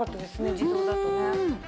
自動だとね。